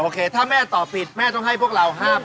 ถ้าแม่ตอบผิดแม่ต้องให้พวกเรา๕๐๐